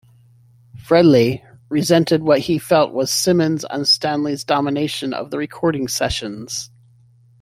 Frehley resented what he felt was Simmons' and Stanley's domination of the recording sessions.